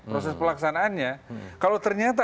proses pelaksanaannya kalau ternyata